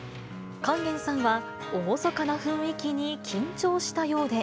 勸玄さんは厳かな雰囲気に緊張したようで。